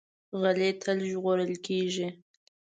غلی، تل ژغورل کېږي.